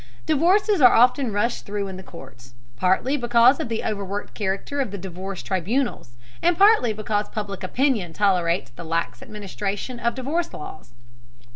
Divorces are often rushed through the courts, partly because of the overworked character of the divorce tribunals, and partly because public opinion tolerates the lax administration of divorce laws.